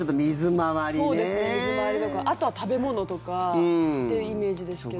そうですね、水回りとかあとは食べ物とかっていうイメージですけど。